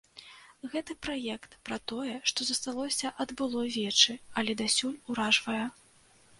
Гэты праект пра тое, што засталося ад былой вечы, але дасюль уражвае.